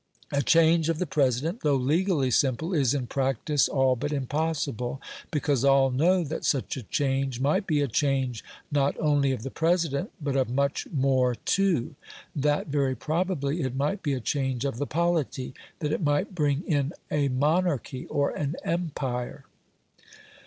A change of the President, though legally simple, is in practice all but impossible; because all know that such a change might be a change, not only of the President, but of much more too: that very probably it might be a change of the polity that it might bring in a Monarchy or an Empire.